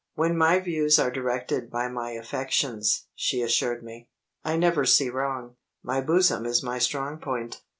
"When my views are directed by my affections," she assured me, "I never see wrong. My bosom is my strong point."